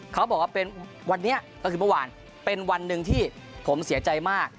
เขาบอกว่าเป็นวันนี้ก็คือเมื่อวานเป็นวันหนึ่งที่ผมเสียใจมาก